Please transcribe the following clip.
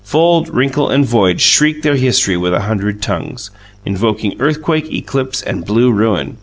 Fold, wrinkle, and void shrieked their history with a hundred tongues, invoking earthquake, eclipse, and blue ruin.